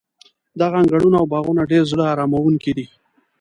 دغه انګړونه او باغونه ډېر زړه اراموونکي دي.